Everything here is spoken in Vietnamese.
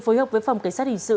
phối hợp với phòng cảnh sát hình sự